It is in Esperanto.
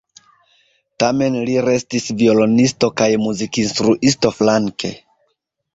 Tamen li restis violonisto kaj muzikinstruisto flanke.